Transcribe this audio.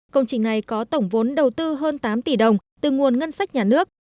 công trình này có tổng vốn đầu tư hơn tám tỷ đồng từ nguồn ngân sách nhà nước